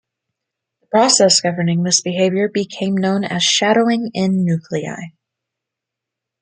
The process governing this behavior became known as shadowing in nuclei.